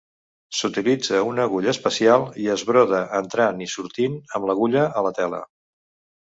S'utilitza una agulla especial i es broda entrant i sortint amb l'agulla a la tela.